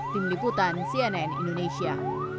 tim liputan cnn indonesia